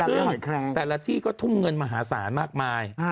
ซึ่งแต่ละที่ก็ทุ่มเงินมหาศาลมากมาย